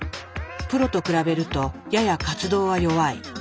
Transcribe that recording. プロと比べるとやや活動は弱い。